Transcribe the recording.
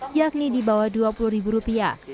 yakni di bawah rp dua puluh